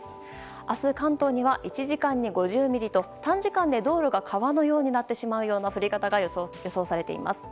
明日、関東には１時間に５０ミリと短時間で道路が川のようになってしまうような降り方が予想されています。